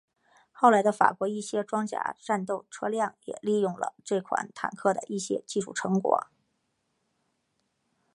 后来的法国一些装甲战斗车辆也利用了这款坦克的一些技术成果。